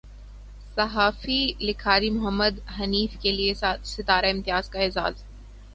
صحافی لکھاری محمد حنیف کے لیے ستارہ امتیاز کا اعزاز